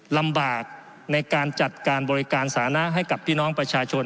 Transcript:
ลำบากในการจัดการบริการสานะให้กับพี่น้องประชาชน